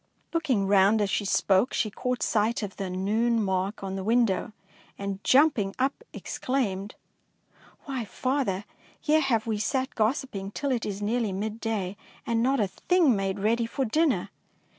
Looking round as she spoke, she caught sight of the noon mark on the window, and, jumping up, exclaimed, —" Why, father, here have we sat gos siping till it is nearly midday and not a thing made ready for dinner